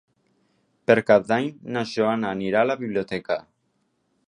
Per Cap d'Any na Joana anirà a la biblioteca.